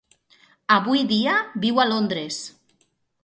Avui dia viu a Londres.